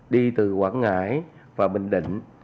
đi từ quảng ngãi và bình định